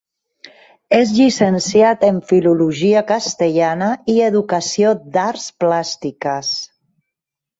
És llicenciat en Filologia castellana i Educació d’Arts Plàstiques.